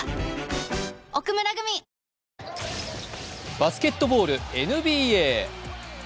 バスケットボール・ＮＢＡ。